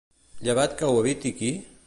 Llevat que ho eviti qui?